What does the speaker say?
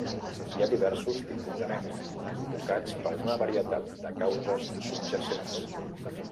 Hi ha diversos tipus d'anèmia, provocats per una varietat de causes subjacents.